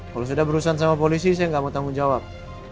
kalau sudah berurusan sama polisi saya nggak mau tanggung jawab